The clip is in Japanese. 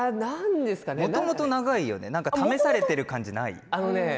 もともと長いよね試されている感じがない？